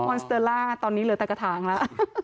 อนสเตอร่าตอนนี้เหลือแต่กระถางแล้ว